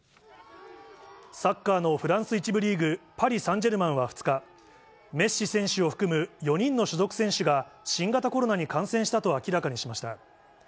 サッカーのフランス１部リーグ・パリ・サンジェルマンは２日、メッシ選手を含む４人の所属選手が、新型コロナに感染したと明らかにしました。